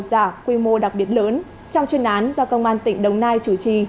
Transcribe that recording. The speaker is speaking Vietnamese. giả quy mô đặc biệt lớn trong chuyên án do công an tỉnh đồng nai chủ trì